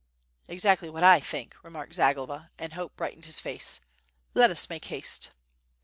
"Exactly what I think," remarked Zagloba, and hope brightened his face. "Let us make haste."